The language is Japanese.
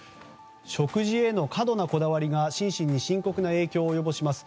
食事への過度なこだわりが心身に深刻な影響を及ぼします